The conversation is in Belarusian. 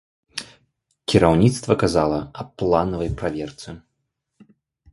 Кіраўніцтва казала аб планавай праверцы.